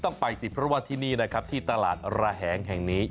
ต้องไปสิเพราะว่าที่นี่นะครับที่ตลาดระแหงแห่งนี้